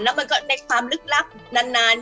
แล้วมันก็ในความลึกลับนาน